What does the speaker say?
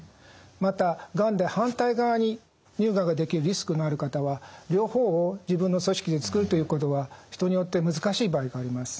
またがんで反対側に乳がんができるリスクのある方は両方を自分の組織で作るということは人によって難しい場合があります。